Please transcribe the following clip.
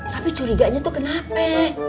tapi curiganya tuh kenapa